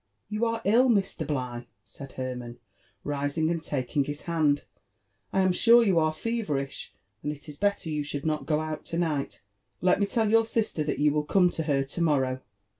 ''You are ill, Mr. Bligh !" said Hermann, rising and taking his hand ;*' I am sure you are feverish, and it is belter you should not go out to night ;^ei me tell your sister that you will come to her to morrow."